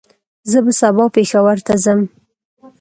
زه به سبا پېښور ته ځم